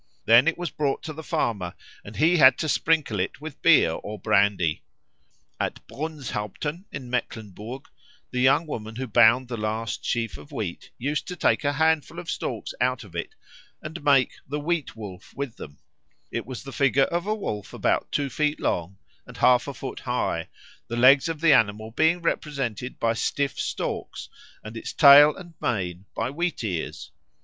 Then it was brought to the farmer and he had to sprinkle it with beer or brandy. At Brunshaupten in Mecklenburg the young woman who bound the last sheaf of wheat used to take a handful of stalks out of it and make "the Wheat wolf" with them; it was the figure of a wolf about two feet long and half a foot high, the legs of the animal being represented by stiff stalks and its tail and mane by wheat ears.